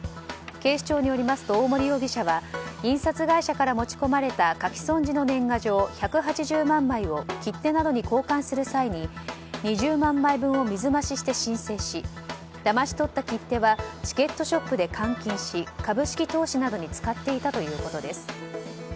警視庁によりますと大森容疑者は印刷会社から持ち込まれた書き損じの年賀状１８０万枚を切手などに交換する際に２０万枚分を水増しして申請しだまし取った切手はチケットショップで換金し株式投資などに使っていたということです。